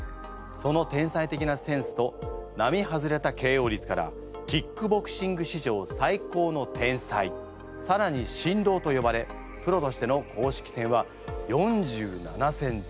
その天才的なセンスと並外れたＫＯ率からキックボクシング史上最高の天才さらに神童とよばれプロとしての公式戦は４７戦全勝。